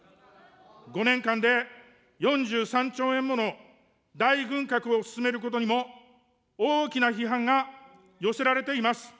５年間で４３兆円もの大軍拡を進めることにも、大きな批判が寄せられています。